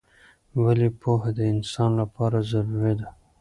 ولې پوهه د انسان لپاره ضروری ده؟